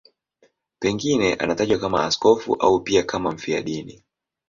Pengine anatajwa kama askofu au pia kama mfiadini.